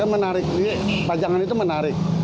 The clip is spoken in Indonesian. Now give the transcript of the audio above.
menarik pajangan itu menarik